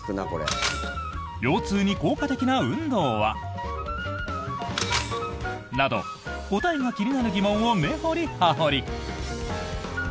腰痛に効果的な運動は？など答えが気になる疑問を根掘り葉掘り。